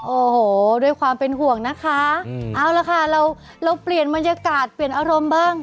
โอ้โหด้วยความเป็นห่วงนะคะเอาละค่ะเราเราเปลี่ยนบรรยากาศเปลี่ยนอารมณ์บ้าง